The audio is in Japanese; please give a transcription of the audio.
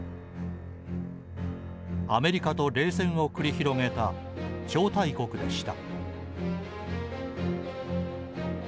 アメリカと冷戦を繰り広げた超大国でした。